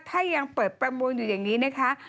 ถ้ายังเปิดประมูลอยู่อย่างนี้นะคะ